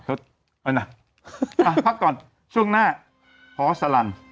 เอานะพักก่อนช่วงหน้าพอสลัน